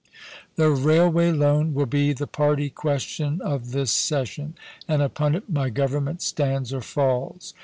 The Railway Loan will be the party question of this session, and upon it my Government stands or falls.